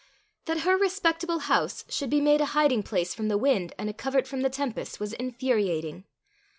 That her respectable house should be made a hiding place from the wind and a covert from the tempest, was infuriating.